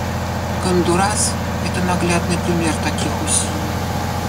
Гондурас — это наглядный пример таких усилий.